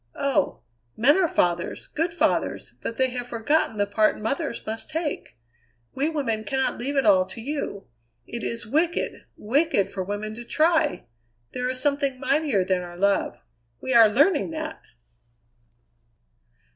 Oh! men are fathers, good fathers, but they have forgotten the part mothers must take! We women cannot leave it all to you. It is wicked, wicked for women to try! There is something mightier than our love we are learning that!"